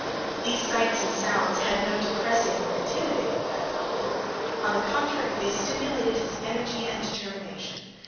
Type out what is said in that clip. These sights and sounds had no depressing or intimidating effect on him; on the contrary, they stimulated his energy and determination.